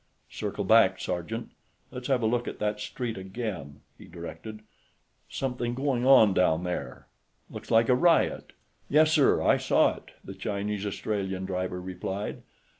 "Circle back, sergeant; let's have a look at that street again," he directed. "Something going on, down there; looks like a riot." "Yes, sir; I saw it," the Chinese Australian driver replied.